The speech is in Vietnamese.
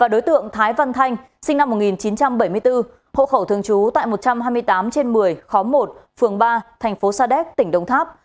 đối tượng thái văn thanh sinh năm một nghìn chín trăm bảy mươi bốn hộ khẩu thường trú tại một trăm hai mươi tám trên một mươi khóm một phường ba thành phố sa đéc tỉnh đồng tháp